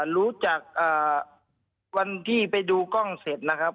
รู้จักวันที่ไปดูกล้องเสร็จนะครับ